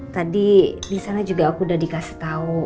tadi di sana juga aku udah dikasih tau